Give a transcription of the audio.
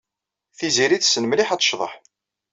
Tiziri tessen mliḥ ad tecḍeḥ.